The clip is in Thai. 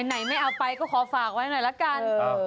ไหนไม่เอาไปก็ขอฝากไว้หน่อยละกัน